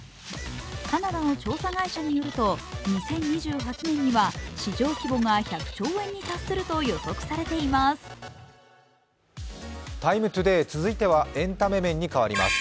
カナダの調査会社によると２０２８年には市場規模が１００兆円に達すると予測されています。